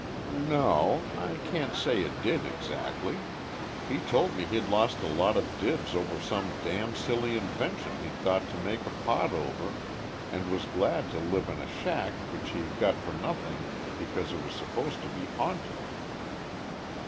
"N no. I can't say it did, exactly. He told me he'd lost a lot of dibs over some damn silly invention he'd thought to make a pot over, and was glad to live in a shack which he got for nothing because it was supposed to be haunted."